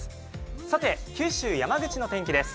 さて九州・山口の天気です。